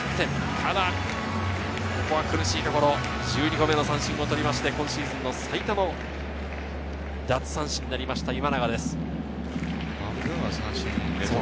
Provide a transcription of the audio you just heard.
ただ苦しいところ、１２個目の三振を取って、今シーズンの最多の奪三振になりました、今永です。